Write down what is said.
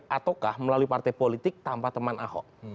ataukah melalui partai politik tanpa teman ahok